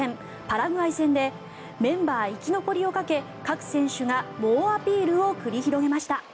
パラグアイ戦でメンバー生き残りをかけ各選手が猛アピールを繰り広げました。